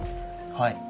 はい。